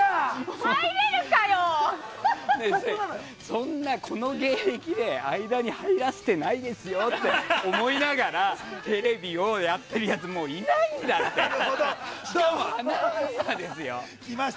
そんな、この芸歴で間に入らせてないですよって思いながらテレビをやってるやつはもういないんだって。来ました。